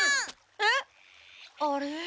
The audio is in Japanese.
えっあれ？